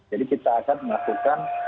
jadi kita akan melakukan